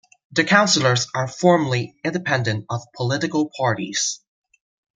The councillors are formally independent of political parties.